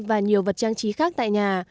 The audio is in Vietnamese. và nhiều vật trang trí khác tại nhà